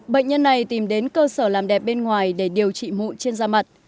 bệnh nhân này tìm đến cơ sở làm đẹp bên ngoài để điều trị mụn trên da mặt